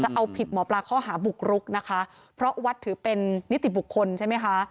เอาผิดหมอปลาข้อหาบุกรุกนะคะเพราะวัดถือเป็นนิติบุคคลใช่ไหมคะ